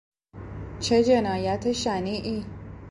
چه جنایت شنیعی!